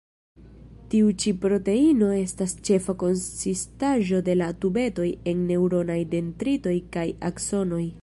Tiu ĉi proteino estas ĉefa konsistaĵo de la tubetoj en neŭronaj dendritoj kaj aksonoj.